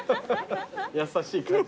優しい感じ。